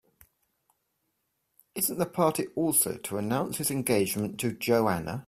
Isn't the party also to announce his engagement to Joanna?